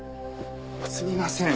すみません